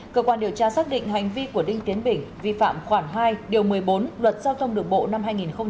cơ quan điều tra xác định hành vi của đinh tiến bình vi phạm khoảng hai một mươi bốn luật giao thông được bộ năm hai nghìn tám